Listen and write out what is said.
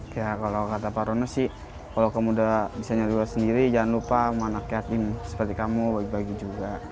kayak kalau kata pak rono sih kalau kamu udah bisa nyari lo sendiri jangan lupa sama anak yatim seperti kamu bagi bagi juga